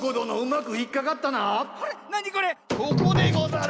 ここでござる！